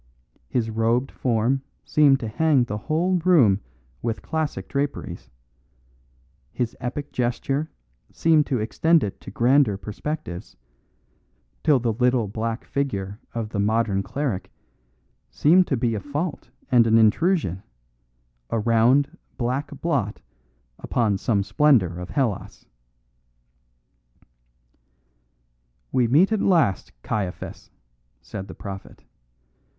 His robed form seemed to hang the whole room with classic draperies; his epic gesture seemed to extend it into grander perspectives, till the little black figure of the modern cleric seemed to be a fault and an intrusion, a round, black blot upon some splendour of Hellas. "We meet at last, Caiaphas," said the prophet.